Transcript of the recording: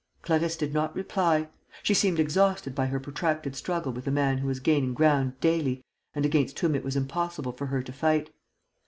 Clarisse did not reply. She seemed exhausted by her protracted struggle with a man who was gaining ground daily and against whom it was impossible for her to fight.